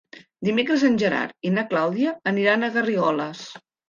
Dimecres en Gerard i na Clàudia aniran a Garrigoles.